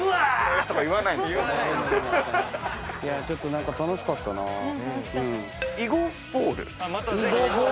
ちょっと何か楽しかったなぁ。